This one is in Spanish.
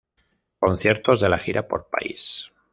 Conciertos de la gira por país